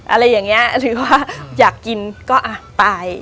อะไรอย่างนี้หรือว่าอยากกินก็อ่ะตาย